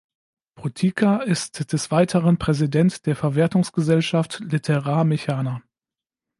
Potyka ist des Weiteren Präsident der Verwertungsgesellschaft Literar-Mechana.